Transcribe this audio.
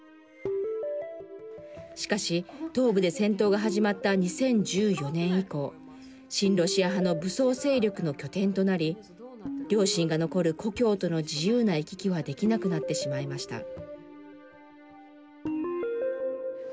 しかし、東部で戦闘が始まった２０１４年以降親ロシア派の武装勢力の拠点となり両親が残る故郷との自由な行き来はできなくなってしまいました。